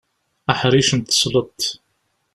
Aḥric n tesleḍt.